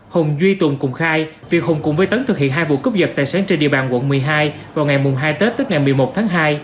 hùng duy tùng cùng khai việc hùng cùng với tấn thực hiện hai vụ cướp giật tài sản trên địa bàn quận một mươi hai vào ngày hai tết tức ngày một mươi một tháng hai